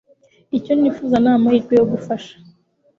Icyo nifuza ni amahirwe yo gufasha